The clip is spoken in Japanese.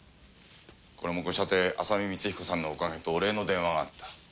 これもご舎弟浅見光彦さんのおかげとお礼の電話があった。